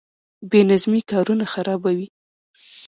بې نظمي کارونه خرابوي